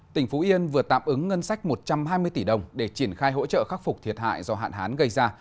tỉnh phú yên vừa tạm ứng ngân sách một trăm hai mươi tỷ đồng để triển khai hỗ trợ khắc phục thiệt hại do hạn hán gây ra